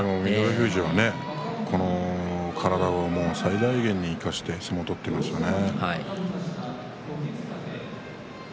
富士はこの体を最大限に生かして相撲を取っていますよね。